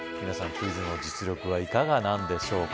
クイズの実力はいかがなんでしょうか